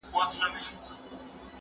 هغه څوک چي خواړه ورکوي مرسته کوي!؟